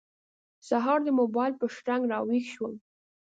سهار د موبایل په شرنګ راوېښ شوم.